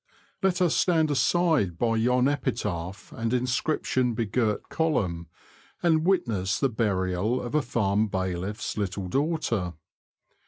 Let us stand aside by yon epitaph and inscription begirt column, and witness the burial of a farm bailiff's little daughter.